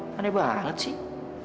mana banget sih